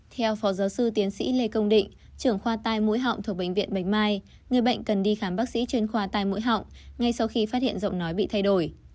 theo phó giáo sư tiến sĩ lê công định trưởng khoa tai mũi họng thuộc bệnh viện bạch mai người bệnh cần đi khám bác sĩ chuyên khoa tai mũi họng ngay sau khi phát hiện giọng nói bị thay đổi